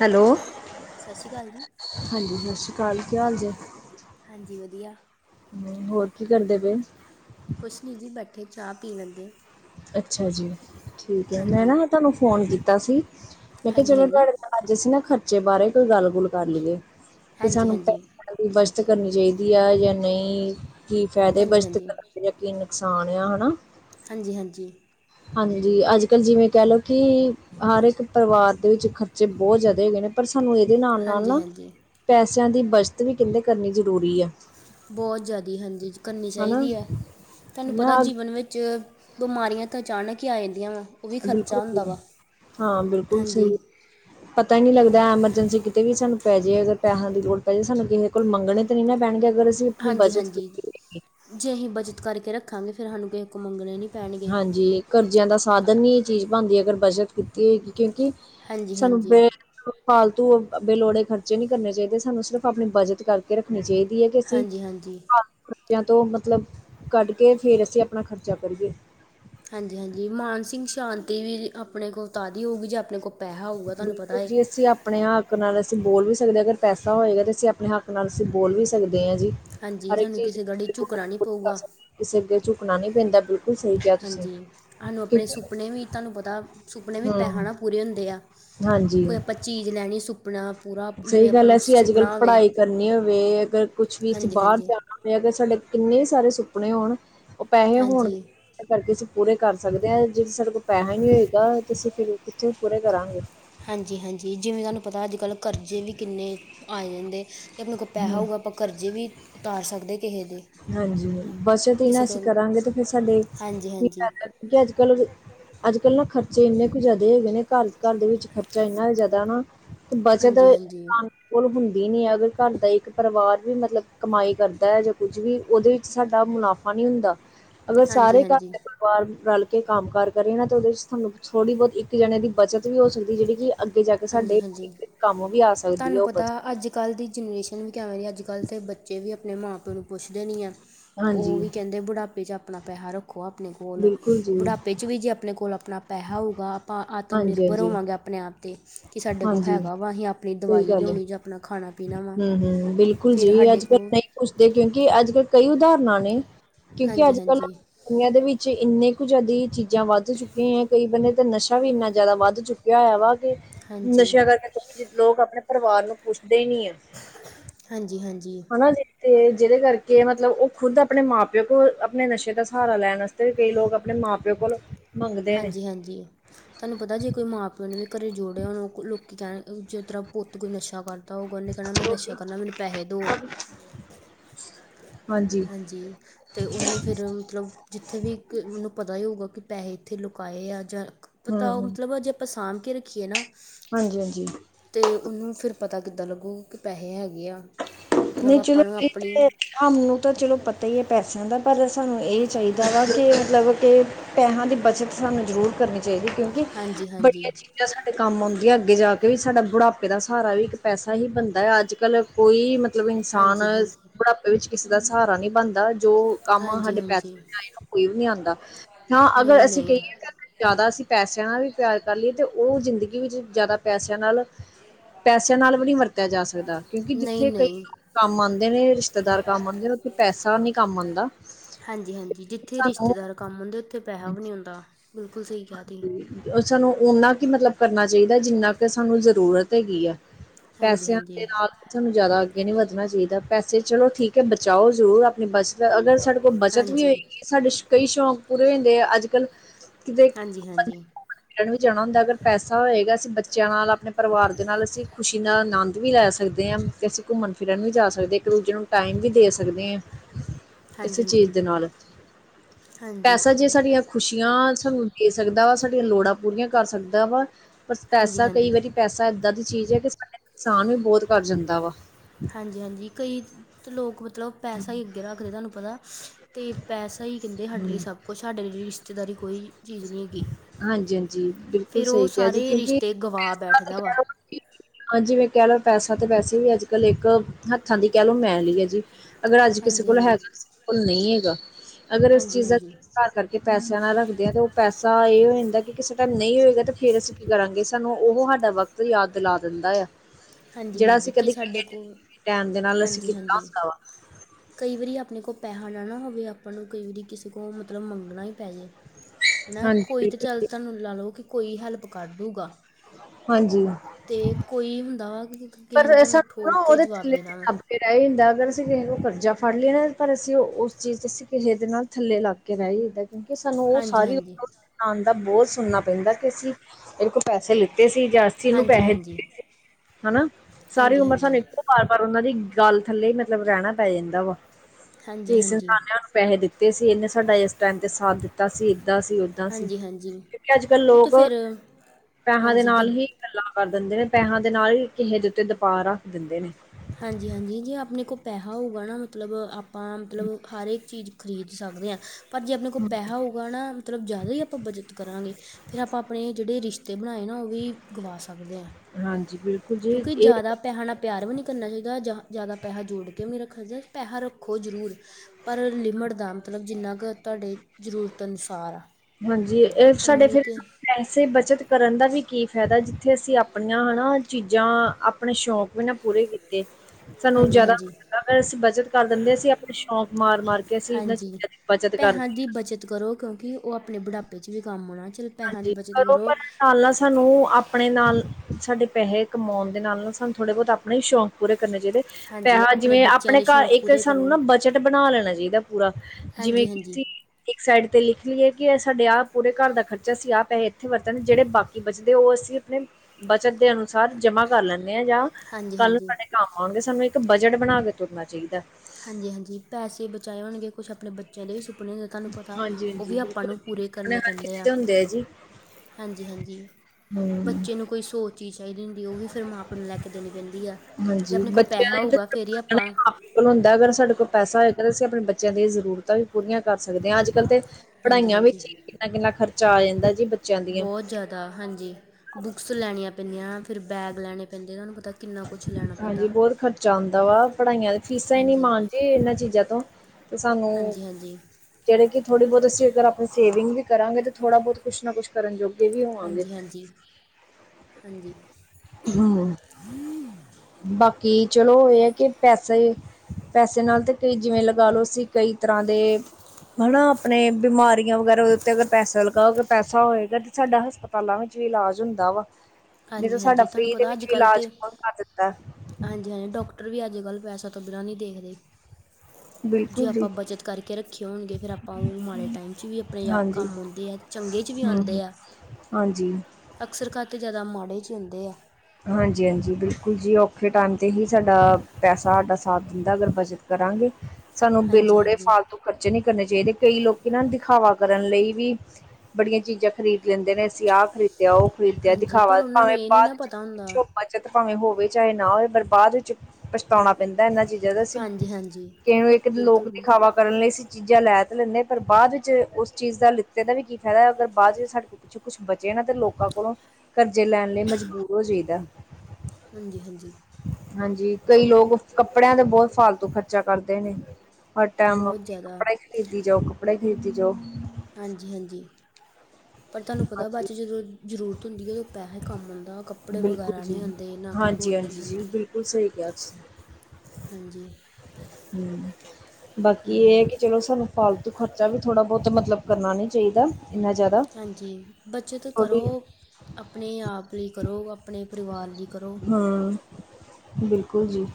Hello ਸਤਿ ਸ਼੍ਰੀ ਅਕਾਲ ਜੀ ਹਾਂਜੀ ਸਤਿ ਸ਼੍ਰੀ ਅਕਾਲ, ਕਿਆ ਹਾਲ ਜੇ? ਹਾਂਜੀ ਵਧੀਆ। ਹਮ ਹੋਰ ਕੀ ਕਰਦੇ ਪਏ? ਕੁੁਛ ਨੀ ਜੀ, ਬੈਠੇ ਚਾਹ ਪੀ ਲੱਗੇ। ਅੱਛਾ ਜੀ, ਠੀਕ ਐ ਮੈਂ ਨਾ ਹਾਂਜੀ ਤੁਹਾਨੂੰ ਫੋਨ ਕੀਤਾ ਸੀ। ਮੈਂ ਕਿਹਾ ਹਾਂਜੀ ਚਲੋ ਹਾਂਜੀ ਤੁਹਾਡੇ ਨਾਲ ਅੱਜ ਅਸੀਂ ਨਾ ਖਰਚੇ ਬਾਰੇ ਕੋਈ ਗੱਲ ਗੁੱਲ ਕਰ ਲਈਏ ਕਿ ਹਾਂਜੀ ਸਾਨੂੰ ਟੈ ਹਾਂਜੀ ਦੀ ਬਚਤ ਕਰਨੀ ਚਾਹੀਦੀ ਆ ਜਾਂ ਨਹੀਂ ਕਿ ਫ਼ਾਇਦੇ ਹਾਂਜੀ ਬਚਤ ਹਾਂਜੀ ਕਰਨ ਕੀ ਨੁਕਸਾਨ ਆ ਹਨਾ। ਹਾਂਜੀ ਹਾਂਜੀ। ਹਾਂਜੀ ਅੱਜ ਕੱਲ੍ਹ ਜਿਵੇਂ ਕਹਿ ਲਓ ਕੀ ਹਰ ਇੱਕ ਪਰਿਵਾਰ ਦੇ ਵਿੱਚ ਖਰਚੇ ਬਹੁਤ ਜ਼ਿਆਦਾ ਹੈਗੇ ਨੇ। ਪਰ ਸਾਨੂੰ ਇਹਦੇ ਨਾਲ-ਨਾਲ ਹਾਂਜੀ ਨਾ ਹਾਂਜੀ ਪੈਸਿਆਂ ਦੀ ਬੱਚਤ ਵੀ ਕਹਿੰਦੇ ਕਰਨੀ ਜ਼ਰੂਰੀ ਆ। ਬਹੁਤ ਜ਼ਿਆਦਾ ਹਾਂਜੀ, ਕਰਨੀ ਹਨਾ ਚਾਹੀਦੀ ਐ ਤੁਹਾਨੂੰ ਪਤਾ ਹਨਾ ਜੀਵਨ ਵਿੱਚ ਬਿਮਾਰੀਆਂ ਤਾਂ ਅਚਾਨਕ ਹੀ ਆ ਜਾਂਦੀਆਂ ਵਾ, ਉਹ ਵੀ ਖਰਚਾ ਬਿਲਕੁਲ ਹੁੰਦਾ ਜੀ ਵਾ ਹਾਂ ਬਿਲਕੁਲ ਹਾਂਜੀ। [unintelligible] ਪਤਾ ਹੀ ਨੀ ਲੱਗਦਾ ਐਮਰਜੈਂਸੀ ਕਿਤੇ ਵੀ ਸਾਨੂੰ ਪੈਜੇ, ਅਗਰ ਪੈਸਿਆਂ ਦੀ ਲੋੜ ਪੈ ਜੇ, ਸਾਨੂੰ ਕਿਸੇ ਕੋਲ ਮੰਗਣੇ ਤਾਂ ਨੀ ਨਾ ਪੈਣਗੇ। ਅਗਰ ਅਸੀਂ ਆਪਣੀ ਬੱਚਤ ਹਾਂਜੀ-ਹਾਂਜੀ, ਕੀਤੀ ਹੋਏਗੀ ਜੇ ਅਸੀਂ ਬੱਚਤ ਕਰਕੇ ਰੱਖਾਂਗੇ, ਫਿਰ ਸਾਨੂੰ ਕਿਸੇ ਕੋ ਮੰਗਨੇ ਨਹੀਂ ਪੈਣਗੇ ਹਾਂਜੀ, ਕਰਜ਼ਿਆਂ ਦਾ ਸਾਧਨ ਨੀ ਇਹ ਚੀਜ਼ ਬਣਦੀ ਅਗਰ ਬੱਚਤ ਕੀਤੀ ਹੋਏਗੀ ਕਿਉਂਕਿ ਹਾਂਜੀ ਸਾਨੂੰ ਹਾਂਜੀ ਪੇ ਫਾਲਤੂ ਬੇਲੋੜੇ ਖਰਚੇ ਨੀ ਕਰਨੇ ਚਾਹੀਦੇ ਸਾਨੂੰ ਸਿਰਫ਼ ਆਪਣੀ ਬਜਟ ਕਰ ਕੇ ਰੱਖਣੀ ਚਾਹੀਦੀ ਹੈ ਕਿ ਅਸੀਂ, ਹਾਂਜੀ ਹਾਂਜੀ ਹਾਂ ਖਰਚਿਆਂ ਤੋਂ ਮਤਲਬ ਕੱਢ ਕੇ ਫੇਰ ਅਸੀਂ ਆਪਣਾ ਖਰਚਾ ਕਰੀਏ। ਹਾਂਜੀ-ਹਾਂਜੀ, ਮਾਨਸਿਕ ਸ਼ਾਂਤੀ ਵੀ ਆਪਣੇ ਕੋਲ ਤਦ ਹੀ ਹੋਊਗੀ ਜੇ ਆਪਣੇ ਕੋਲ ਪੈਸਾ ਹੋਊਗਾ ਤੁਹਾਨੂੰ ਬਿਲਕੁਲ ਪਤਾ ਏ। ਜੀ ਅਸੀਂ ਆਪਣੇ ਹੱਕ ਨਾਲ ਅਸੀਂ ਬੋਲ ਵੀ ਸਕਦੇ ਹਾਂ ਅਗਰ ਪੈਸਾ ਹੋਏਗਾ ਤਾਂ ਅਸੀਂ ਆਪਣੇ ਹੱਕ ਨਾਲ ਅਸੀਂ ਬੋਲ ਵੀ ਸਕ ਸਕਦੇ ਆ ਜੀ, ਹਾਂਜੀ ਹਰ ਇੱਕ ਸਾਨੂੰ ਚੀਜ਼ ਕਿਸੇ ਗਾੜੀ ਝੁਕਣਾ ਨਹੀਂ [unintelligible] ਪਊਗਾ ਕਿਸੇ ਅੱਗੇ ਝੁਕਣਾ ਨੀ ਪੈਂਦਾ। ਸਹੀ ਕਿਹਾ ਤੁਸੀਂ ਹਾਂਜੀ, ਸਾਨੂੰ ਆਪਣੇ ਕਿਉਂਕਿ ਸੁਪਨੇ ਵੀ ਤੁਹਾਨੂੰ ਪਤਾ, ਸੁਪਨੇ ਵੀ ਪੈਸਿਆਂ ਹਮ ਨਾਲ ਪੂਰੇ ਹੁੰਦੇ ਆ, ਹਾਂਜੀ ਕੋਈ ਆਪਾਂ ਚੀਜ਼ ਲੈਣੀ ਸੁ ਸਹੀ ਗੱਲ ਹੈ, ਅਸੀਂ ਅੱਜ-ਕੱਲ੍ਹ ਹੋਵੇ ਪੜ੍ਹਾਈ ਕਰਨੀ ਹੋਵੇ, ਅਗਰ ਕੁਛ ਵੀ ਅਸੀਂ ਹਾਂਜੀ ਬਾਹਰ ਹਾਂਜੀ ਜਾ ਤੇ ਅਗਰ ਸਾਡੇ ਕਿੰਨੇ ਸਾਰੇ ਸੁਪਨੇ ਹੋਣ ਉਹ ਪੈਸੇ ਨੀ ਹੋਣ ਹਾਂਜੀ ਕਰਕੇ ਅਸੀਂ ਪੂਰੇ ਕਰ ਸਕਦੇ ਹਾਂ ਜੇ ਸਾਡੇ ਕੋਲ ਪੈਸਾ ਨੀ ਹੋਏਗਾ ਤੇ ਅਸੀਂ ਫਿਰ ਕਿੱਥੇ ਪੂਰੇ ਕਰਾਂਗੇ। ਹਾਂਜੀ-ਹਾਂਜੀ, ਜਿਵੇਂ ਤੁਹਾਨੂੰ ਪਤਾ ਅੱਜ-ਕੱਲ੍ਹ ਕਰਜ਼ੇ ਵੀ ਕਿੰਨੇ ਆ ਜਾਂਦੇ ਜੇ ਆਪਣੇ ਕੋਲ ਪੈਸਾ ਹਮ ਹੋਊਗਾ ਪ ਕਰਜ਼ੇ ਵੀ ਉਤਾਰ ਸਕਦੇ ਕਿਸੇ ਦੇ। ਹਾਂਜੀ, ਬਚਤ ਹੀ ਨਾ ਕਿਸੇ ਤੋਂ ਅਸੀਂ ਕਰਾਂਗੇ ਤੇ ਫਿਰ ਸਾਡੇ ਹਾਂਜੀ ਕੀ, ਹਾਂਜੀ ਕਿਉਂਕਿ ਅੱਜ-ਕੱਲ ਅੱਜ-ਕੱਲ੍ਹ ਨਾ ਖਰਚੇ ਇੰਨੇ ਕੁ ਜ਼ਿਆਦਾ ਹੈਗੇ ਨੇ, ਘਰ-ਘਰ ਦੇ ਵਿੱਚ ਖਰਚਾ ਇੰਨਾ ਜ਼ਿਆਦਾ ਨਾ ਬਚਤ ਹਾਂਜੀ ਹਾਂਜੀ ਨਾਮ ਕੋਲ ਹੁੰਦੀ ਨੀ, ਐ ਅਗਰ ਘਰ ਦਾ ਇੱਕ ਪਰਿਵਾਰ ਵੀ ਮਤਲਬ ਕਮਾਈ ਕਰਦਾ ਐ ਜੋ ਕੁੱਝ ਵੀ ਉਹਦੇ ਵਿੱਚ ਸਾਡਾ ਮੁਨਾਫ਼ਾ ਨੀ ਹੁੰਦਾ, ਅਗਰ ਹਾਂਜੀ ਸਾਰੇ ਘਰ ਹਾਂਜੀ ਦੇ ਬਾਰ-ਰਲ ਕੇ ਕੰਮ ਕਾਰ ਕਰੇ ਨਾ ਤੇ ਉਹਦੇ ਤੁਹਾਨੂੰ ਥੋੜੀ-ਬਹੁਤ ਇੱਕ ਜਣੇ ਦੀ ਬੱਚਤ ਵੀ ਹੋ ਸਕਦੀ ਜਿਹੜੀ ਕਿ ਅੱਗੇ ਜਾ ਕੇ ਹਾਂਜੀ ਸਾਡੇ ਹਾਂਜੀ ਕੰਮ ਵੀ ਆ ਸਕਦੀ ਆ ਉਹ ਬੱਚਤ ਕੱਲ ਦੀ ਜਨਰੇਸ਼ਨ ਵੀ ਕਿਵੇਂ ਦੀ ਏ ਅੱਜ-ਕੱਲ ਦੇ ਬੱਚੇ ਵੀ ਆਪਣੇ ਮਾਂ-ਪਿਓ ਨੂੰ ਪੁੱਛਦੇ ਨੀ ਆ। ਉਹ ਹਾਂਜੀ, ਹੀ ਕਹਿੰਦੇ ਬੁਢਾਪੇ ਚ ਆਪਣਾ ਪੈਸਾ ਰੱਖੋ ਆਪਣੇ ਕੋਲ, ਬਿਲਕੁਲ ਜੀ, ਬੁਢਾਪੇ ਵੀ ਜੇ ਆਪਣੇ ਕੋਲ ਆਪਣਾ ਪੈਸਾ ਹੋਊਗਾ ਆਪਾਂ ਆਤਮ ਨਿਰਭਰ ਹਾਂਜੀ-ਹਾਂਜੀ, ਹਾਂਜੀ। ਹੋਵਾਂਗੇ ਆਪਣੇ ਆਪ ਤੇ। ਕਿ ਸਾਡੇ ਕੋਲ ਹਾਂਜੀ। ਹੈਗਾ ਵਾ ਅਸੀਂ ਆਪਣੀ ਸਹੀ ਦਵਾਈ ਗੱਲ ਹੈ ਲਿਆਉਣੀ ਜਾਂ ਆਪਣਾ ਖਾਣਾ-ਪੀਣਾ ਵਾ। ਹਮ ਹਮ ਬਿਲਕੁਲ ਜੀ ਫਿਰ ਸਾਡੇ ਅੱਜ ਕੱਲ ਕੋਲ ਨਹੀਂ ਪੁੱਛਦੇ ਕਿਉਂਕਿ ਅੱਜ-ਕੱਲ ਕਈ ਉਦਾਹਰਨਾਂ ਨੇ ਕਿਉਂਕਿ ਹਾਂਜੀ ਅੱਜ-ਕੱਲ ਹਾਂਜੀ ਦੁਨੀਆਂ ਦੇ ਵਿੱਚ ਇੰਨੇ ਕੁ ਜ਼ਿਆਦਾ ਚੀਜ਼ਾਂ ਵੱਧ ਚੁੱਕੀਆਂ ਐ ਕਈ ਬੰਦੇ ਤੇ ਨਸ਼ਾ ਵੀ ਇੰਨਾ ਜ਼ਿਆਦਾ ਵੱਧ ਚੁੱਕ ਹੋਇਆ ਇਹ ਵਾ ਕਿ, ਹਾਂਜੀ ਨਸ਼ਿਆਂ ਕਰਕੇ ਲੋਕ ਆਪਣੇ ਪਰਿਵਾਰ ਨੂੰ ਪੁੱਛਦੇ ਹੀ ਨੀ ਆ। ਹਾਂਜੀ-ਹਾਂਜੀ। ਹੈਨਾ ਜੇ ਤੇ ਜਿਹਦੇ ਕਰਕੇ ਮਤਲਬ ਉਹ ਖੁਦ ਆਪਣੇ ਮਾਂ-ਪਿਓ ਕੋਲ ਆਪਣੇ ਨਸ਼ੇ ਦਾ ਸਹਾਰਾ ਲੈਣ ਕਈ ਲੋਕ ਆਪਣੇ ਮਾਂ-ਪਿਓ ਕੋਲ ਮੰਗਦੇ ਨੇ ਹਾਂਜੀ-ਹਾਂਜੀ, ਤੁਹਾਨੂੰ ਪਤਾ ਜੇ ਕੋਈ ਮਾਂ-ਪਿਓ ਨੇ ਵੀ ਕਦੀ ਜੋੜਿਆ ਹੋਣਾ ਲੋਕੀ- ਲੋਕੀ ਕਹਿਣ ਜਿਸ ਤਰ੍ਹਾਂ ਪੁੱਤ ਕੋਈ ਨਸ਼ਾ ਕਰਦਾ ਹੋਗਾ ਉਹਨੇ ਕਹਿਣਾ ਮੈਂ ਨਸ਼ਾ ਕਰਨਾ ਮੈਨੂੰ ਪੈਸੇ ਦੋ। ਹਾਂਜੀ। ਅਤੇ ਉਹਨੇ ਫਿਰ ਮਤਲਬ ਜਿੱਥੇ ਵੀ ਉਹਨੂੰ ਪਤਾ, ਹੀ ਹੋਊਗਾ ਕਿ ਪੈਸੇ ਇੱਥੇ ਲੁਕਾਏ ਆ ਜਾਂ ਹਮ ਪਤਾ ਉਹ ਹਮ ਮਤਲਬ ਅਜੇ ਆਪਾਂ ਸਾਂਭ ਕੇ ਰੱਖੀਏ ਨਾ। ਹਾਂਜੀ-ਹਾਂਜੀ। ਅਤੇ ਉਹਨੂੰ ਫਿਰ ਪਤਾ ਕਿੱਦਾਂ ਲੱਗੇੂਗਾ ਕਿ ਪੈਸੇ ਹੈਗੇ ਆ? ਮਤਲਬ ਨਹੀਂ ਚਲੋ ਆਪਾਂ ਨੂੰ ਫਿਰ ਆਪਣੀ ਤੇ ਨਾ ਨੂੰ ਤਾਂ ਚਲੋ ਪਤਾ ਹੀ ਹੈ ਪੈਸਿਆਂ ਦਾ ਪਰ ਸਾਨੂੰ ਇਹ ਚਾਹੀਦਾ ਵਾ ਕੇ ਮਤਲਬ ਕਿ ਪੈਸਿਆਂ ਦੀ ਬੱਚਤ ਸਾਨੂੰ ਜ਼ਰੂਰ ਕਰਨੀ ਚਾਹੀਦੀ ਕਿਉਂਕਿ ਹਾਂਜੀ ਬੜਿਆ ਹਾਂਜੀ ਚੀਜਾ ਜ ਸਾਡੇ ਕੰਮ ਆਉਂਦੀ ਆ ਅੱਗੇ ਜਾ ਕੇ ਵੀ, ਸਾਡਾ ਬੁਢਾਪੇ ਦਾ ਸਾਰਾ ਵੀ ਇੱਕ ਪੈਸਾ ਹੀ ਬਣਦਾ ਹੈ ਅੱਜ-ਕੱਲ੍ਹ। ਕੋਈ ਮਤਲਬ ਇਨਸਾਨ ਹਾਂਜੀ ਹਾਂਜੀ ਬੁਢਾਪੇ ਵਿੱਚ ਕਿਸੇ ਦਾ ਸਹਾਰਾ ਨਹੀਂ ਬਣਦਾ, ਜੋ ਕੰਮ ਹਾਂਜੀ ਸਾਡੇ ਹਾਂਜੀ ਪੈਸੇ ਆਏ ਕੋਈ ਵੀ ਨੀ ਆਂਦਾ। ਹਾਂ, ਨਹੀਂ ਅਗਰ ਅਸੀਂ ਨਹੀਂ ਕਹੀਏ ਘਰੇ ਜ਼ਿਆਦਾ ਅਸੀਂ ਪੈਸਿਆਂ ਨਾਲ ਵੀ ਪਿਆਰ ਕਰ ਲੀਏ, ਤੇ ਉਹ ਜ਼ਿੰਦਗੀ ਵਿੱਚ ਜ਼ਿਆਦਾ ਪੈਸਿਆਂ ਨਾਲ ਪੈਸਿਆਂ ਨਾਲ ਵੀ ਨੀ ਵਰਤਿਆ ਜਾ ਸਕਦਾ। ਕਿਉਂਕਿ ਨਹੀਂ ਜਿੱਥੇ ਕਈ ਨਹੀਂ ਲੋਕ ਕੰਮ ਆਂਦੇ ਨੇ ਰਿਸ਼ਤੇਦਾਰ ਕੰਮ ਆਂਦੇ ਨੇ, ਉੱਥੇ ਪੈਸਾ ਨਹੀਂ ਕੰਮ ਆਂਦਾ। ਹਾਂਜੀ-ਹਾਂਜੀ, ਜਿੱਥੇ ਰਿਸ਼ਤੇਦਾਰ ਕੰਮ ਆਉਂਦੇ ਉੱਥੇ ਪੈਸਾ ਵੀ ਨੀ ਆਉਂਦਾ, ਬਿਲਕੁਲ ਸਹੀ ਕਿਹਾ ਤੁਹੀ। ਸਾਨੂੰ ਓਨਾ ਕੁ ਮਤਲਬ ਕਰਨਾ ਚਾਹੀਦਾ, ਜਿੰਨਾ ਕਿ ਸਾਨੂੰ ਜ਼ਰੂਰਤ ਹੈਗੀ ਆ। ਹਾਂਜੀ ਪੈਸਿਆਂ ਦੇ ਹਾਂਜੀ ਨਾਲ ਤੁਹਾਨੂੰ ਜਿਆਦਾ ਅੱਗੇ ਨਹੀਂ ਵਧਣਾ ਚਾਹੀਦਾ, ਪੈਸੇ ਚਲੋ ਠੀਕ ਐ ਬਚਾਓ ਜ਼ਰੂਰ, ਆਪਣੀ ਬੱਚਤ ਅਗਰ ਸਾਡੇ ਉਹ ਬੱਚਤ ਵੀ ਹਾਂਜੀ ਹੋਏਗੀ, ਸਾਡੇ ਕਈ ਸ਼ੌਕ ਪੂਰੇ ਹੋ ਜਾਂਦੇ ਆ, ਅੱਜ-ਕੱਲ ਕਿਤੇ ਹਾਂਜੀ ਹਾਂਜੀ ਘੁੰ ਹਾਂਜੀ ਬੱਚਿਆਂ ਨੇ ਵੀ ਜਾਣਾ ਹੁੰਦਾ, ਅਗਰ ਪੈਸਾ ਹੋਏਗਾ ਅਸੀਂ ਬੱਚਿਆਂ ਨਾਲ ਆਪਣੇ ਪਰਿਵਾਰ ਦੇ ਨਾਲ, ਅਸੀਂ ਖੁਸ਼ੀ ਨਾਲ ਆਨੰਦ ਵੀ ਲੈ ਸਕ ਸਕਦੇ ਹਾਂ, ਤੇ ਅਸੀਂ ਘੁੰਮਣ ਫਿਰਨ ਵੀ ਜਾ ਸਕਦੇ ਆਂ, ਇੱਕ ਦੂਜੇ ਨੂੰ ਟਾਈਮ ਵੀ ਦੇ ਸਕਦੇ ਆਂ। ਇਸੇ ਹਾਂਜੀ ਹਾਂਜੀ ਚੀਜ਼ ਦੇ ਨਾਲ। ਹਾਂਜੀ। ਪੈਸਾ ਜੇ ਸਾਡੀਆਂ ਖੁਸ਼ੀਆਂ ਸਾਨੂੰ ਦੇ ਸਕਦਾ ਵਾ, ਸਾਡੀਆਂ ਲੋੜਾਂ ਪੂਰੀਆਂ ਕਰ ਸਕਦਾ ਵਾ, ਪਰ ਪੈਸਾ ਕਈ ਹਾਂਜੀ ਵਾਰੀ ਪੈਸਾ ਏਦਾਂ ਦੀ ਚੀਜ਼ ਐ, ਕਿ ਸਾਡੇ ਨੁਕਸਾਨ ਵੀ ਬਹੁਤ ਕਰ ਜਾਂਦਾ ਵਾ। ਹਾਂਜੀ-ਹਾਂਜੀ, ਕਈ ਤਾਂ ਲੋਕ ਮਤਲਬ ਪੈਸਾ ਹੀ ਅੱਗੇ ਰੱਖਦੇ ਤੁਹਾਨੂੰ ਪਤਾ। ਤੇ ਪੈਸਾ ਹੀ ਕਹਿੰਦੇ ਸਾਡੇ ਲਈ ਹਮ ਸਭ ਕੁਛ ਐ, ਸਾਡੇ ਲਈ ਰਿਸ਼ਤੇਦਾਰੀ ਕੋਈ ਚੀਜ਼ ਨੀ ਹੈਗੀ, ਹਾਂਜੀ ਹਾਂਜੀ ਬਿਲਕੁਲ ਫਿਰ ਉਹ ਸਹੀ ਕਿਹਾ ਜੀ ਸਾਰੇ ਕਿਉਂਕਿ ਰਿਸ਼ਤੇ ਗਵਾ ਬੈਠਦਾ ਵਾ। ਹਾਂਜੀ ਜਿਵੇਂ ਕਹਿ ਲੋ ਪੈਸਾ, ਤੇ ਵੈਸੇ ਵੀ ਅੱਜ-ਕੱਲ ਇੱਕ ਹੱਥਾਂ ਦੀ ਕਹਿ ਲੋ ਮੈਲ ਈ ਐ ਜੀ। ਅਗਰ ਅੱਜ ਕਿਸੇ ਹਾਂਜੀ ਕੋਲ ਹਾਂਜੀ ਹੈਗਾ, ਕਿਸੇ ਕੋਲ ਨਹੀਂ ਹੈਗਾ, ਅਗਰ ਇਸ ਹਾਂਜੀ ਚੀਜ਼ ਦਾ ਹਾਂਜੀ ਘਰ ਕਰਕੇ ਪੈਸਿਆਂ ਨਾ ਰੱਖਦੇ ਆ, ਤੇ ਉਹ ਪੈਸਾ ਇਹ ਹੋ ਜਾਂਦਾ ਕਿ ਕਿਸੇ ਟੈਮ ਨਹੀਂ ਹੋਏਗਾ ਤੇ ਫੇਰ ਅਸੀਂ ਕੀ ਕਰਾਂਗੇ, ਸਾਨੂੰ ਉਹ ਸਾਡਾ ਵਕਤ ਯਾਦ ਦਿਲਾ ਦਿੰਦਾ ਆ। ਜਿਹੜਾ ਹਾਂਜੀ-ਹਾਂਜੀ, ਅਸੀਂ ਕੀ ਕਦੇ ਸਾਡੇ ਕੋਲ, ਟੈਮ ਦੇ ਨਾਲ ਅਸੀਂ ਕੀਤਾ ਹਾਂਜੀ-ਹਾਂਜੀ। ਹੁੰਦਾ ਵਾ ਕਈ ਵਾਰੀ ਆਪਣੇ ਕੋਲ ਪੈਸਾ ਨਾ ਨਾ ਹੋਵੇ, ਆਪਾਂ ਨੂੰ ਕਈ ਵਾਰੀ ਕਿਸੇ ਕੋਲ ਮਤਲਬ ਮੰਗਣਾ ਹੀ ਪੈ ਜਵੇ। ਹਨਾ ਹਾਂਜੀ ਕੋਈ ਤਾਂ ਬਿਲਕੁਲ ਚੱਲ ਜੀ ਤੁਹਾਨੂੰ ਲਾ ਲਓ, ਕਿ ਕੋਈ ਹੈਲਪ ਕਰ ਦੂਗਾ। ਹਾਂਜੀ। ਤੇ ਕੋਈ ਹੁੰਦਾ ਵਾ ਕਿ ਪਰ ਨੇ ਇਹ ਤੁਹਾਨੂੰ ਸਾਨੂੰ ਨਾ ਠੋਕ ਕੇ ਉਹਦੇ ਜਵਾਬ ਥੱਲੇ ਤੇ ਦੇਣਾ ਵਾ ਲੱਬ ਤੇ ਰਹਿ ਜਾਂਦਾ, ਅਗਰ ਅਸੀਂ ਕਿਸੇ ਕੋਲ ਕਰਜ਼ਾ ਫੜ ਲਈਏ ਨਾ, ਪਰ ਅਸੀਂ ਉਹ ਉਸ ਚੀਜ਼ ਤੇ ਅਸੀਂ ਕਿਸੇ ਦੇ ਨਾਲ ਥੱਲੇ ਲੱਗ ਕੇ ਰਹਿ ਜਾਈਦਾ, ਕਿਉਂਕਿ ਸਾਨੂੰ ਉਹ ਹਾਂਜੀ ਸਾਰੀ ਹਾਂਜੀ ਇਨਸਾਨ ਦਾ ਬਹੁ ਸੁਣਨਾ ਪੈਂਦਾ, ਕਿ ਅਸੀਂ ਇਹਦੇ ਕੋਲ ਪੈਸੇ ਲਿੱ ਦਿੱਤੇ ਸੀ, ਜਾਸਤੀ ਨੂੰ ਹਾਂਜੀ ਪੈਸੇ ਹਾਂਜੀ ਦਿੱਤੇ ਸੀ, ਹਨਾ। ਸਾਰੀ ਹਾਂਜੀ ਉਮਰ ਸਾਨੂੰ ਹਾਂਜੀ ਇੱਕੋ ਵਾਰ-ਵਾਰ ਉਹਨਾਂ ਦੀ ਗੱਲ ਥੱਲੇ, ਮ ਮਤਲਬ ਰਹਿਣਾ ਪੈ ਜਾਂਦਾ ਵਾ, ਹਾਂਜੀ ਕਿ ਇਸ ਹਾਂਜੀ ਇਨਸਾਨ ਨੇ ਪੈਸੇ ਦਿੱਤੇ ਸੀ, ਇਹਨੇ ਸਾਡਾ ਇਸ ਟੈਮ ਤੇ ਸਾਥ ਦਿੱ ਦਿੱਤਾ ਸੀ, ਏਦਾਂ ਸੀ ਓਦਾਂ ਸੀ, ਹਾਂਜੀ ਹਾਂਜੀ ਕਿਉਂਕਿ ਅੱਜ-ਕੱਲ ਉਹ ਲੋਕ ਤਾਂ ਫਿਰ ਪੈਹਿਆਂ ਦੇ ਹਾਂਜੀ ਨਾਲ ਦਬ ਹੀ ਗੱਲਾਂ ਕਰ ਦਿੰਦੇ ਨੇ, ਪੈਹਾਂ ਦੇ ਨਾਲ ਹੀ ਕਿਸੇ ਦੇ ਉੱਤੇ ਦਬਾਅ ਰੱਖ ਦਿੰਦੇ ਨੇ। ਹਾਂਜੀ-ਹਾਂਜੀ, ਜੇ ਆਪਣੇ ਕੋਲ ਪੈਸਾ ਹੋਊਗਾ ਨਾ ਮਤਲਬ ਆਪਾਂ ਮਤਲਬ ਹਰ ਇੱਕ ਚੀਜ਼ ਖਰੀਦ ਸਕਦੇ ਹਾਂ। ਪਰ ਜੇ ਆਪਣੇ ਕੋਲ ਪੈਸਾ ਹੋਊਗਾ ਨਾ, ਮਤਲਬ ਜ਼ਿਆਦਾ ਹੀ ਆਪਾਂ ਬਚਤ ਕਰਾਂਗੇ, ਫਿਰ ਆਪਾਂ ਆਪਣੇ ਜਿਹੜੇ ਰਿਸ਼ਤੇ ਤੇ ਬਣਾਏ ਨਾ ਉਹ ਵੀ ਗਵਾ ਸਕਦੇ ਆ, ਹਾਂਜੀ ਬਿਲਕੁਲ ਜੀ ਕਿਉਂਕਿ ਇਹ ਜਿਆਦਾ ਪੈਹਿਆਂ ਨਾਲ ਪਿਆਰ ਵੀ ਨੀ ਕਰਨਾ ਚਾਹੀਦਾ, ਜ ਜ਼ਿਆਦਾ ਪੈਸਾ ਜੋੜ ਕੇ ਵੀ ਨਹੀਂ ਰੱਖਣਾ ਚਾਹੀਦਾ, ਪੈਸਾ ਰੱਖੋ ਜ਼ਰੂਰ ਪਰ ਲਿਮਟ ਦਾ, ਮਤਲਬ ਜਿੰਨਾ ਕ ਤੁਹਾਡੇ ਜ਼ਰੂਰਤ ਅਨੁਸਾਰ। ਹਾਂਜੀ, ਇਹ ਸਾਡੇ ਉਨੀ ਫਿਰ ਕੁ ਪੈਸੇ ਬਚਤ ਕਰਨ ਦਾ ਵੀ ਕੀ ਫੈਦਾ ਜੇ ਜਿੱਥੇ ਅਸੀਂ ਆਪਣੀਆਂ ਹਨਾ ਚੀਜ਼ਾਂ ਆਪਣੇ ਸ਼ੌਂਕ ਵੀ ਨਾ ਪੂਰੇ ਕੀਤੇ, ਸਾਨੂੰ ਹਾਂਜੀ ਜਿਆਦਾ ਹਾਂਜੀ ਅਸੀਂ ਬੱਚਤ ਕਰ ਦਿੰਦੇ, ਅਸੀਂ ਆਪਣੇ ਸ਼ੌਕ ਹਾਂਜੀ, ਪੈਹਿਆਂ ਕਰਦੇ ਦੀ ਬੱਚਤ ਕਰੋ, ਕਿਉਂਕਿ ਉਹ ਆਪਣੇ ਬੁਢਾਪੇ ਚ ਵੀ ਕੰਮ ਆਣਾ ਚੱਲ। ਹਾਂਜੀ, ਕਰੋ ਪਰ ਨਾਲ-ਨਾਲ ਅਸੀਂ ਸਾਨੂੰ ਆਪਣੇ ਨਾਲ ਸਾਡੇ ਪੈਸੇ ਕਮਾਉਣ ਦੇ ਨਾਲ -ਨਾਲ ਸਾਨੂੰ ਥੋੜੇ ਬਹੁਤ ਆਪਣੇ ਸ਼ੌਂਕ ਪੂਰੇ ਕਰਨੇ ਚਾਹੀਦੇ ਹਾਂਜੀ ਪੈਹਾ ਜਿਵੇਂ ਬੱਚਿਆਂ ਆਪਣੇ ਦੇ ਘਰ ਸ਼ੌਂਕ ਇੱਕ ਪੂਰੇ ਸਾਨੂੰ ਨਾ ਕਰੋ ਬਜਟ ਬਣਾ ਲੈਣਾ ਚਾਹੀਦਾ ਪੂਰਾ ਜਿਵੇਂ ਹਾਂਜੀ ਹਾਂਜੀ ਕਿਸੀਂ ਇੱਕ ਸਾਈਡ ਤੇ ਲਿਖ ਲਈਏ ਕਿ ਸਾਡੇ ਆਪ ਪੂਰੇ ਘਰ ਦਾ ਖਰਚਾ ਅਸੀਂ ਆਹ ਪੈਹੈ ਇੱਥੇ ਵਰਤਦੇ ਜਿਹੜੇ ਬਾਕੀ ਬਚਦੇ ਉਹ ਅਸੀਂ ਆਪਣੇ ਬੱਚਤ ਦੇ ਅਨੁਸਾਰ ਜਮਾ ਕਰ ਲੈਂਦੇ ਹਾਂ ਜਾਂ ਹਾਂਜੀ ਕੱਲ ਨੂੰ ਹਾਂਜੀ ਸਾਡੇ ਕੰਮ ਆਉਣਗੇ ਸਾਨੂੰ ਇੱਕ ਬਜਟ ਬਣਾ ਕੇ ਤੁਰਨਾ ਚਾਹੀਦਾ ਹਾਂਜੀ -ਹਾਂਜੀ ਪੈਸੇ ਬਚਾਏ ਹੋਣਗੇ ਕੁਛ ਆਪਣੇ ਬੱਚਿਆਂ ਦੇ ਵੀ ਸੁਪਨੇ ਤਾਨੂੰ ਪਤਾ ਹਾਂਜੀ ਉਹ ਹਾਂਜੀ ਵੀ ਆਪਾਂ ਨੂੰ ਬਿਲਕੁਲ ਪੂਰੇ ਆਪਣੇ ਕਰਨੇ ਹਰ ਪੈਂਦੇ ਕਿਸੇ ਆ ਦੇ ਹੁੰਦੇ ਜੀ ਹਾਂਜੀ -ਹਾਂਜੀ ਹਮ ਬੱਚੇ ਨੂੰ ਕੋਈ ਸੋਚ ਚੀਜ਼ ਚਾਹਿਦੀ ਹੁੰਦੀ ਹ ਓਹ ਵੀ ਮਾਂ ਪਿਓ ਨੂੰ ਲੈ ਕੇ ਦੇਣੀ ਪੈਂਦੀ ਹ ਜੇ ਹਾਂਜੀ ਆਪਣੇ ਕੋਲ ਪੈਹਾ ਬੱਚਿਆਂ ਦਾ ਹੋਉਗਾ ਫੇਰ ਹੀ ਆਪਾਂ [unintelligible] ਹੁੰਦਾ ਅਗਰ ਸਾਡੇ ਕੋਲ ਪੈਸਾ ਹੋਏਗਾ ਤਾਂ ਅਸੀਂ ਆਪਣੇ ਬੱਚਿਆਂ ਦੀਆਂ ਜ਼ਰੂਰਤਾਂ ਵੀ ਪੂਰੀਆਂ ਕਰ ਸਕਦੇ ਹਾਂ ਅੱਜ ਕੱਲ੍ਹ ਤੇ ਹਾਂਜੀ ਪੜ੍ਹਾਈਆਂ ਹਾਂਜੀ ਵਿੱਚ ਈ ਕਿੰਨਾ -ਕਿੰਨਾ ਖਰਚਾ ਆ ਜਾਂਦਾ ਜੀ ਬ ਬਹੁਤ ਜ਼ਿਆਦਾ ਹਾਂਜੀ ਬੁੱਕਸ ਲੈਣੀਆਂ ਪੈਂਦੀਆਂ ਫਿਰ ਬੈਗ ਲੈਣੇ ਪੈਂਦੇ ਤੁਹਾਨੂੰ ਪਤਾ ਕਿੰਨਾ ਕੁਛ ਲੈਣਾ ਹਾਂਜੀ ਪੈਂਦਾ ਬਹੁਤ ਖਰਚਾ ਆਉਂਦਾ ਵਾ ਪੜ੍ਹਾਈਆਂ ਫੀਸਾਂ ਹੀ ਨਹੀਂ ਹਾਂਜੀ ਮਾਣ ਜੇ ਇਹਨਾਂ ਚੀਜ਼ਾਂ ਤੋਂ ਤੇ ਸਾਨੂੰ ਹਾਂਜੀ -ਹਾਂਜੀ ਜਿਹੜੇ ਕਿ ਥੋੜੀ ਬਹੁਤ ਅਸੀਂ ਅਰ ਆਪ ਸੇਵਿੰਗ ਵੀ ਕਰਾਂਗੇ ਤੇ ਥੋੜਾ ਬਹੁਤ ਕੁੱਛ ਨਾ ਕੁਛ ਕਰਨ ਜੋਗੇ ਵੀ ਹੋਵਾਂਗੇ ਜੀ ਹਾਂਜੀ ਹਮ ਬਾਕੀ ਚਲੋ ਇਹ ਹੈ ਕਿ ਪੈਸੇ ਪੈਸੇ ਨਾਲ ਤੇ ਕਈ ਜਿਵੇਂ ਲਗਾਾਲਓ ਸੀ ਕਈ ਤਰ੍ਹਾਂ ਦੇ ਹਨਾ ਆਪਣੇ ਬਿਮਾਰੀਆਂ ਵਗੈਰਾ ਉਹਦੇ ਉੱਤੇ ਅਗਰ ਪੈਸਾ ਲਗਾਓ ਅ ਪੈਸਾ ਹੋਏਗਾ ਤੇ ਸਾਡਾ ਹਸਪਤਾਲ ਹਤਾਲਾਂ ਵਿੱਚ ਵੀ ਇਲਾਜ ਹੁੰਦਾ ਵਾ ਹਾਂਜੀ -ਹਾਂਜੀ ਤਾਨੂੰ ਇਹਦੇ ਵਿੱਚ ਇਲਾਜ ਕੌਣ ਕਰ ਦਿੱਤਾ [unintelligible] ਹਾਂਜੀ- ਹਾਂਜੀ ਡਾਕਟਰ ਵੀ ਅੱਜ ਕੱਲ੍ਹ ਪੈਸਾ ਤੋਂ ਬਿਨਾਂ ਨਹੀਂ ਦੇਖਦੇ ਜੇ ਬਿਲਕੁਲ ਆਪਾਂ ਜੀ ਬੱਚਤ ਕਰਕੇ ਰੱਖੇ ਹੋਣਗੇ ਫਿਰ ਆਪਾਂ ਉਹ ਮਾੜੇ ਟਾਈਮ 'ਚ ਵੀ ਆਪਣੇ ਹਾਂਜੀ ਕੰਮ ਆਉਂਦੇ ਆ ਚੰਗੇ 'ਚ ਵੀ ਹੂੰ ਆਉਂਦੇ ਹੂੰ ਆ ਹਾਂਜੀ ਅਕਸਰ ਘਟ ਜ਼ਿਆਦਾ ਮਾੜੇ 'ਚ ਹੀ ਹੁੰਦੇ ਆ। ਹਾਂਜੀ -ਹਾਂਜੀ, ਬਿਲਕੁਲ ਜੀ ਔਖੇ ਟਾਈਮ 'ਤੇ ਹੀ ਸਾਡਾ ਪੈਸਾ ਹਾਡਾ ਸਾਥ ਦਿੰਦਾ ਅਗਰ ਬਚਤ ਕਰਾਂਗੇ। ਸਾਨੂੰ ਹਾਂਜੀ ਬੇਲੋੜੇ ਹਾਂਜੀ ਫਾਲਤੂ ਖਰਚੇ ਨਹੀਂ ਕਰਨੇ ਚਾਹੀਦੇ। ਕਈ ਲੋਕ ਨਾ ਦਿਖਾਵਾ ਕਰਨ ਲਈ ਵੀ ਬੜੀਆਂ ਚੀਜ਼ਾਂ ਖਰੀਦ ਲੈਂਦੇ ਨੇ, ਅਸੀਂ ਆਹ ਖਰੀਦਿਆ ਉਹ ਖਰੀਦਿਆ ਦਿਖਾਵਾ ਭਾਵੇਂ ਬਾਅਦ ਵਿੱਚ ਅੰਧਾ [unintelligible] ਪਿੱਛੋਂ ਬੱਚਤ ਭਾਵੇਂ ਹੋਵੇ ਚਾਹੇ ਨਾ ਹੋਵੇ, ਪਰ ਬਾਅਦ ਵਿੱਚ ਕਾਉਣਾ ਪੈਂਦਾ [unintelligible] ਇਹਨਾਂ ਚੀਜ਼ਾਂ ਦਾ ਅਸੀ ਹਾਂਜੀ ਹਾਂਜੀ ਕਿਨੂੰ ਇੱਕ ਲੋਕ ਬਿਲਕੁਲ ਬਿਲਕੁਲ ਦਿਖਾਵਾ ਪੱਲੇ ਅਸੀਂ ਚੀਜਾ ਲੈ ਤ ਲੈਦੇ ਆ ਪਰ ਬਾਅਦ ਵਿੱਚ ਉਸ ਚੀਜ਼ ਦਾ ਲਿਖ ਦੇਣਾ ਵੀ ਕੀ ਫਾਇਦਾ ਕੀ ਉਹ ਜੇ ਕੁਝ ਬਚਿਆ ਹੈ ਤੇ, ਲੋਕਾਂ ਕੋਲੋਂ ਕਰਜ਼ੇ ਲੈਣ ਲਈ ਮਜਬੂਰ ਹੋ ਜਾਈਦਾ। ਹਾਂਜੀ-ਹਾਂਜੀ! ਹਾਂਜੀ, ਕਈ ਲੋਕ ਕੱਪੜਿਆਂ ਤੇ ਬਹੁਤ ਫਾਲਤੂ ਖ਼ਰਚਾ ਕਰਦੇ ਨੇ। ਹਰ ਟਾਈਮ ਬਹੁਤ ਜ਼ਿਆਦਾ ਕੱਪੜਾ ਹੀ, ਖਰੀਦੀ ਜਾਓ ਕੱਪੜੇ ਖਰੀਦੀ ਜਾਓ। ਹਾਂਜੀ- ਹਾਂਜੀ, ਪਰ ਤਾਨੂੰ ਪਤਾ ਬਾਅਦ ਹਾਂਜੀ। 'ਚ ਜਦੋਂ ਜ਼ਰੂਰਤ ਹੁੰਦੀ ਹੈ। ਉਦੋਂ ਪੈਹਾ ਹੀ ਕੰਮ ਆਉਂਦਾ, ਕੱਪੜੇ ਬਿਲਕੁਲ ਵਗੈਰਾ ਜੀ। ਨਹੀਂ ਆਉਂਦੇ ਨਾ ਕੋਈ ਹੋਰ ਹਾਂਜੀ ਚੀਜ਼ ਹਾਂਜੀ ਜੀ ਆਉਂਦੀ। ਬਿਲਕੁਲ ਸਹੀ ਕਿਹਾ ਤੁਸੀਂ। ਹਾਂਜੀ ਹਮ, ਬਾਕੀ ਇਹ ਹੈ ਹੂੰ ਕਿ ਚਲੋ ਸਾਨੂੰ ਫਾਲਤੂ ਖਰਚਾ ਵੀ ਥੋੜ੍ਹਾ ਬਹੁਤ ਮਤਲਬ ਕਰਨਾ ਨਹੀਂ ਚਾਹੀਦਾ। ਇਨਾ ਜ਼ਿਆਦਾ ਹਾਂਜੀ, ਬੱਚਤ ਥੋੜੀ ਕਰੋ ਆਪਣੇ ਆਪ ਲਈ ਕਰੋ ਆਪਣੇ ਪਰਿਵਾਰ ਲਈ ਕਰੋ। ਹਾਂ, ਬਿਲਕੁਲ ਜੀ।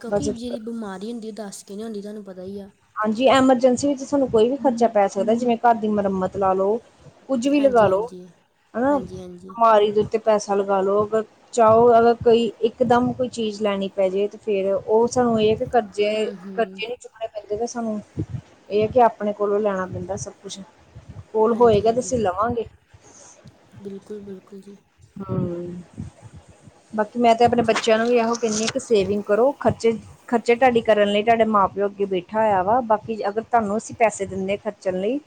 ਕਿਉਂਕਿ ਬਚਤ ਜਿਹੜੀ ਬਿਮਾਰੀ ਹੁੰਦੀ ਹੈ ਉਹ ਦੱਸ ਕੇ ਨਹੀਂ ਆਉਂਦੀ ਤਾ ਨੂੰ ਪਤਾ ਹੀ ਆ। ਹਾਂਜੀ, ਐਮਰਜੈਂਸੀ ਵਿੱਚ ਸਾਨੂੰ ਕੋਈ ਵੀ ਖਰਚਾ ਪੈ ਸਕਦਾ। ਜਿਵੇਂ ਘਰ ਦੀ ਮੁਰੰਮਤ ਲਾ ਲਓ, ਕੁੱਝ ਵੀ ਲਗਾ ਹਾਂਜੀ ਲੋ ਹਾਂਜੀ ਹਨਾ, ਹਾਂਜੀ ਹਾਂਜੀ ਬਿਮਾਰੀ ਦੇ ਉੱਤੇ ਪੈਸਾ ਲਗਾ ਲੋ ਅਗਰ ਚਾਹੋ ਅਗਰ ਕੋਈ ਇੱਕ ਦਮ ਕੋਈ ਚੀਜ਼ ਲੈਣੀ ਪੈਜੇ, ਤੇ ਫੇਿਰ ਉਹ ਸਾਨੂੰ ਇਹ ਕਿ ਕਰ ਜੇ ਹੂੰ ਹੂੰ ਕਰਜੇ ਚੁੱਕਣੇ। ਇਦਾਂ ਕਿ ਸਾਨੂੰ ਇਹ ਹੈ ਕਿ, ਆਪਣੇ ਕੋਲੋਂ ਲੈਣਾ ਪੈਂਦਾ ਸਭ ਕੁਛ। ਕੋਲ ਹਾਂਜੀ ਹੋਏਗਾ, ਤੇ ਹਾਂਜੀ ਅਸੀਂ ਲਵਾਂਗੇ। ਬਿਲਕੁਲ- ਬਿਲਕੁਲ ਜੀ। ਹਾਂ, ਬਾਕੀ ਮੈਂ ਤੇ ਆਪਣੇ ਹਾਂਜੀ ਬੱਚਿਆਂ ਨੂੰ ਵੀ ਇਹੋ ਕਹਿੰਦੀ ਹ ਕਿ ਸੇਵਿੰਗ ਕਰੋ ਖਰਚੇ ਖਰਚੇ ਤੁਹਾਡੀ ਕਰਨ ਲਈ ਤੁਹਾਡੇ ਮਾਂ ਪਿਓ ਅੱਗੇ ਬੈਠਾ ਹੋਇਆ ਵਾ, ਬਾਕੀ ਅਗਰ ਤੁਹਾਨੂੰ ਅਸੀਂ ਪੈਸ ਦਿੰਦੇ ਖਚ ਚਲੇ,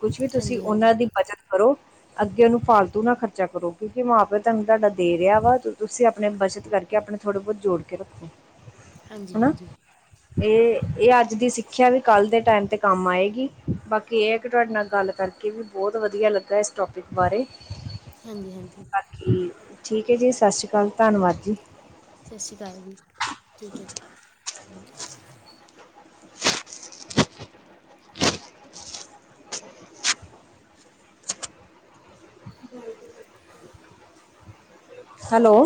ਕੁਛ ਵੀ ਤੁਸੀਂ ਹਾਂਜੀ ਹਾਂਜੀ ਉਹਨਾਂ ਦੀ ਬਚਤ ਕਰੋ ਅੱਗੇ ਉਹਨੂੰ ਫਾਲਤੂ ਨਾ ਖ਼ਰਚਾ ਕਰੋ। ਕਿਉਂਕਿ ਮਾਂ ਪਿਓ ਤੁਹਾਨੂੰ ਤੁਹਾਡਾ ਦੇ ਰਿਹਾ ਵਾ, ਤੁਸੀਂ ਆਪਣੇ ਬੱਚਤ ਕਰਕੇ ਆਪਣੇ ਥੋੜੇ ਬਹੁਤ ਜੋੜ ਕੇ ਰੱਖੋ। ਹਾਂਜੀ- ਹਨਾ ਹਾਂਜੀ ਇਹ ਇਹ ਅੱਜ ਦੀ ਸਿੱਖਿਆ ਵੀ ਕੱਲ ਦੇ ਟਾਈਮ ਤੇ ਕੰਮ ਆਏਗੀ, ਬਾਕੀ ਇਹ ਹੈ ਕਿ ਤੁਹਾਡੇ ਨਾਲ ਗੱਲ ਕਰਕੇ ਕਿ ਵੀ ਬਹੁਤ ਵਧੀਆ ਲੱਗਾ ਇਸ ਟੋਪਿਕ ਬਾਰੇ। ਹਾਂਜੀ ਹਾਂਜੀ। ਬਾਕੀ ਠੀਕ ਹੈ ਜੀ ਸਤਿ ਸ਼੍ਰੀ ਅਕਾਲ ਧੰਨਵਾਦ ਜੀ। ਸਤਿ ਸ਼੍ਰੀ ਅਕਾਲ ਜੀ ਠੀਕ ਹੈ ਜੀ। ਹਮ। ਹੈਲੋ।